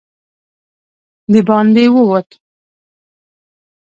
د باندې ووت.